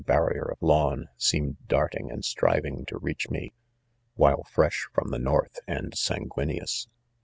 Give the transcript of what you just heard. baffeer of lawn seemed dart ing and striving to reach me, while fresh from the North and sanguineous.